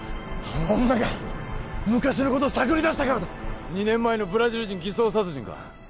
あの女が昔のことを探り出したからだ２年前のブラジル人偽装殺人か？